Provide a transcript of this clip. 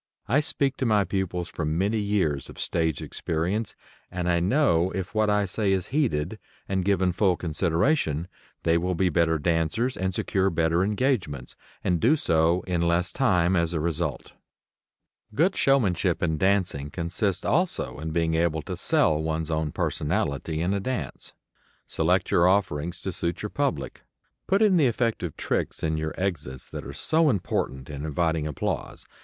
I speak to my pupils from many years of stage experience, and I know if what I say is heeded and given full consideration they will be better dancers and secure better engagements, and do so in less time, as a result. [Illustration: HELEN FABLES] Good showmanship in dancing consists also in being able to "sell" one's own personality in a dance. Select your offerings to suit your public. Put in the effective "tricks" in your exits that are so important in inviting applause.